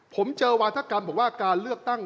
ผมเจอวาธกรรมบอกว่าการเลือกตั้ง